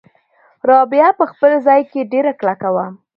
رابعه په خپل ځای کې ډېره کلکه وه.